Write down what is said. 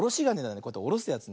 こうやっておろすやつ。